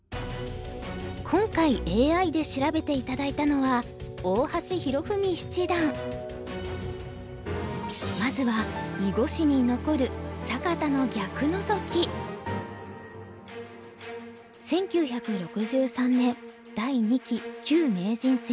今回ＡＩで調べて頂いたのはまずは囲碁史に残る１９６３年第２期旧名人戦第七局。